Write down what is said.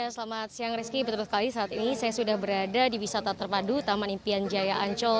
selamat siang rizky betul sekali saat ini saya sudah berada di wisata terpadu taman impian jaya ancol